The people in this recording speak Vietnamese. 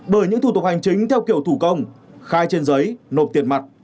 bởi những thủ tục hành chính theo kiểu thủ công khai trên giấy nộp tiền mặt